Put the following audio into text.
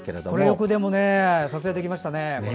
よく撮影できましたね。